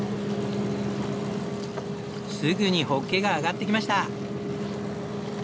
すぐにホッケが上がってきました。